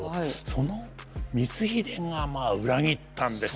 その光秀がまあ裏切ったんですから。